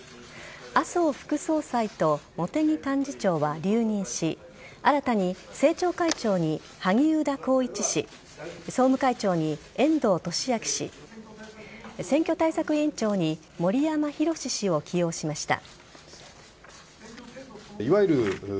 麻生副総裁と茂木幹事長は留任し新たに政調会長に萩生田光一氏総務会長に遠藤利明氏選挙対策委員長に森山裕氏を起用しました。